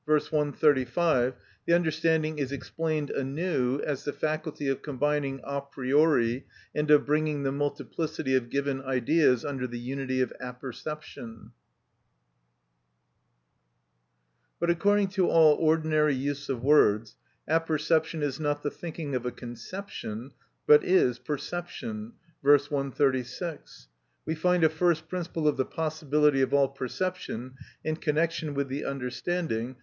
p. 135, the understanding is explained anew as the faculty of combining a priori, and of bringing the multiplicity of given ideas under the unity of apperception; but according to all ordinary use of words, apperception is not the thinking of a conception, but is perception. V. p. 136, we find a first principle of the possibility of all perception in connection with the understanding.